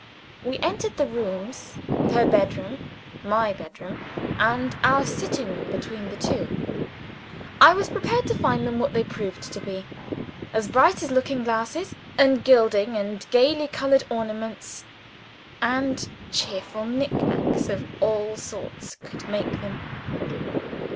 We entered the rooms; her bed room, my bed room, and our sitting room between the two. I was prepared to find them, what they proved to be as bright as looking glasses, and gilding, and gaily colored ornaments, and cheerful knick knacks of all sorts could make them.